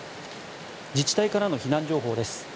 自治体からの避難情報です。